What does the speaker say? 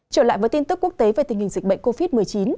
trở lại với tin tức quốc tế về tình hình dịch bệnh covid một mươi chín